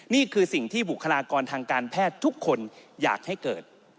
นี่คือสิ่งที่บุคลากรทางการแพทย์ทุกคนอยากให้เกิด